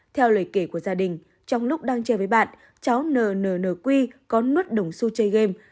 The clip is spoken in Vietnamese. theo lời kể của gia đình trong lúc đang chơi với bạn cháu nnnq có nuốt đồng su chơi game